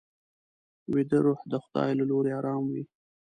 ویده روح د خدای له لوري ارام وي